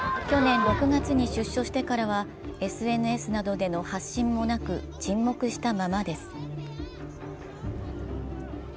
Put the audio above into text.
去年６月に出所してからはＳＮＳなどでの発信もなく沈黙したままです。